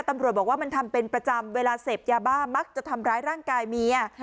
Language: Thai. ตำรวจบอกว่ามันทำเป็นประจำเวลาเสพยาบ้ามักจะทำร้ายร่างกายเมีย